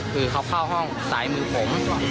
คือเขาเข้าห้องสายมือผม